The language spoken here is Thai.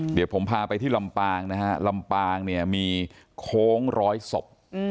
เดี๋ยวผมพาไปที่ลำปางนะฮะลำปางเนี่ยมีโค้งร้อยศพ